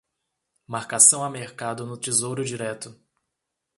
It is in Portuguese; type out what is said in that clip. Marcação a mercado no Tesouro Direto